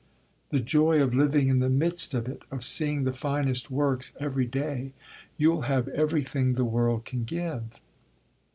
The joy of living in the midst of it of seeing the finest works every day! You'll have everything the world can give."